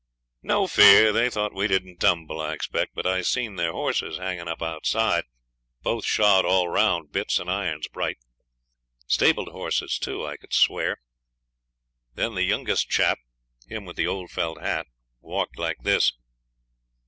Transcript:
'No fear. They thought we didn't tumble, I expect; but I seen their horses hung up outside, both shod all round; bits and irons bright. Stabled horses, too, I could swear. Then the youngest chap him with the old felt hat walked like this.'